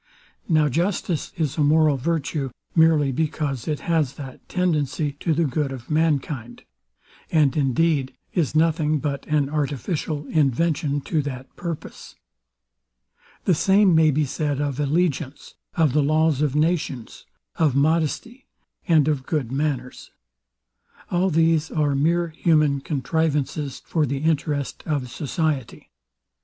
Now justice is a moral virtue, merely because it has that tendency to the good of mankind; and, indeed, is nothing but an artificial invention to that purpose. The same may be said of allegiance, of the laws of nations, of modesty, and of good manners. All these are mere human contrivances for the interest of society.